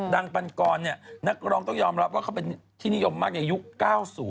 ปันกรนักร้องต้องยอมรับว่าเขาเป็นที่นิยมมากในยุค๙๐